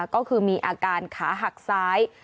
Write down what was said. ก็คือมีอาการขาหักซ้าย